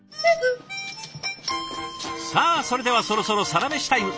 さあそれではそろそろサラメシタイム。